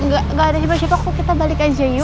gak ada siapa siapa kok kita balik aja yuk